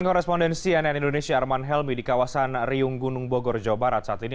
korespondensi nn indonesia arman helmi di kawasan riung gunung bogor jawa barat saat ini